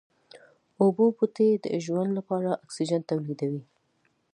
اوبو بوټي د ژوند لپاره اکسيجن توليدوي